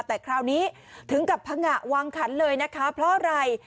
แต่คราวนี้ถึงกับพังงะวางขันเลยนะคะเพราะอะไร